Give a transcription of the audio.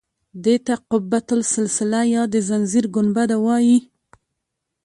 دې ته قبة السلسله یا د زنځیر ګنبده وایي.